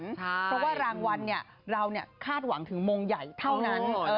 เพราะว่ารางวัลเราคาดหวังถึงมงใหญ่เท่านั้น